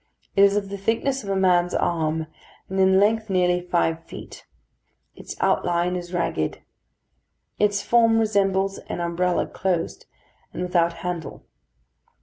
It is of the thickness of a man's arm, and in length nearly five feet. Its outline is ragged. Its form resembles an umbrella closed, and without handle.